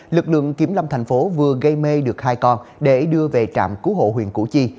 lực lượng kiểm lâm thành phố vừa gây mê được hai con để đưa về trạm cứu hộ huyện củ chi